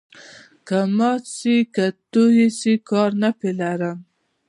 که مات سي که توی سي، کار نه په لرم.